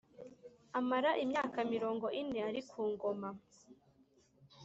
amara imyaka mirongo ine ari ku ngoma.